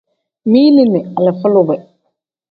Mili ni alifa lube.